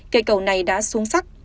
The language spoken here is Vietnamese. cây cầu này đã xuống sắc